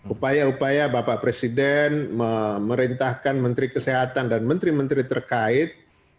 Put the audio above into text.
upaya upaya bapak presiden memerintahkan menteri kesehatan dan menteri menteri terkait